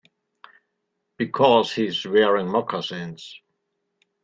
Because he's wearing moccasins.